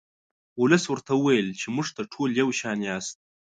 ولس ورته وویل چې موږ ته ټول یو شان یاست.